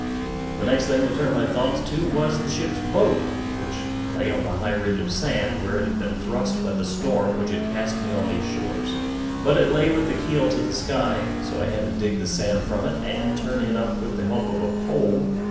The next thing to turn my thoughts to was the ship's boat, which lay on the high ridge of sand, where it had been thrust by the storm which had cast me on these shores. But it lay with the keel to the sky, so I had to dig the sand from it, and turn it up with the help of a pole.